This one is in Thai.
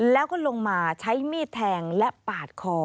แล้วก็ลงมาใช้มีดแทงและปาดคอ